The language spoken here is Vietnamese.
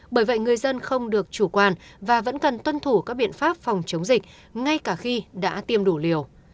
bởi vậy người dân không được chủ quan và vẫn cần tuân thủ các biện pháp phòng chống dịch ngay cả khi đã tiêm đủ liều